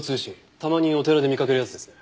たまにお寺で見かけるやつですね。